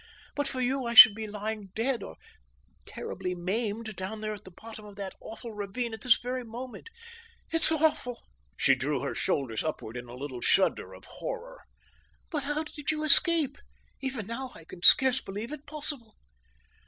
"But for you I should be lying dead, or terribly maimed down there at the bottom of that awful ravine at this very moment. It's awful." She drew her shoulders upward in a little shudder of horror. "But how did you escape? Even now I can scarce believe it possible."